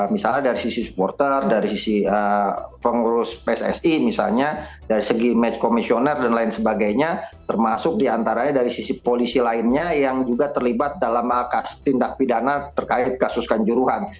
misalnya dari sisi supporter dari sisi pengurus pssi misalnya dari segi match komisioner dan lain sebagainya termasuk diantaranya dari sisi polisi lainnya yang juga terlibat dalam tindak pidana terkait kasus kanjuruhan